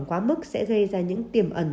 quá mức sẽ gây ra những tiềm ẩn